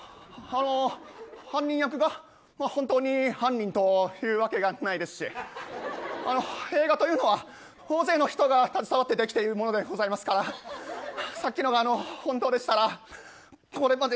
犯人役が、本当に犯人と言うわけがないですしあの映画というのは大勢の人が携わってきているものでございますからさっきのが本当でしたら。